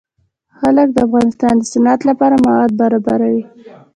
جلګه د افغانستان د صنعت لپاره مواد برابروي.